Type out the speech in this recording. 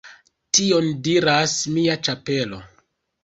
Tion diras mia ĉapelo